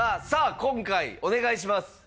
さあ今回お願いします。